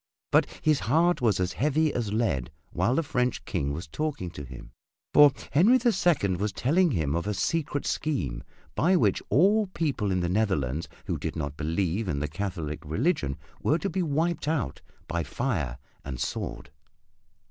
But his heart was as heavy as lead while the French King was talking to him, for Henry the Second was telling him of a secret scheme by which all people in the Netherlands who did not believe in the Catholic religion were to be wiped out by fire and sword.